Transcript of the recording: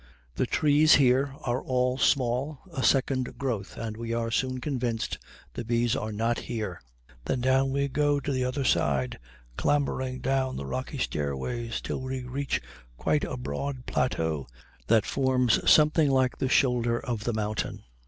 The trees here are all small, a second growth, and we are soon convinced the bees are not here. Then down we go on the other side, clambering down the rocky stairways till we reach quite a broad plateau that forms something like the shoulder of the mountain.